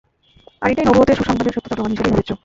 আর এটাই নবুওতের সুসংবাদের সত্যতার প্রমাণ হিসেবে বিবেচ্য।